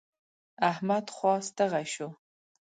احمد خوا ستغی شو.